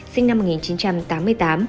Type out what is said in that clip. sinh năm một nghìn chín trăm tám mươi tám